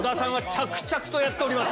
着々とやっております。